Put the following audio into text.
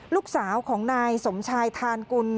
ลูกสาวของนายสมชายทานกุล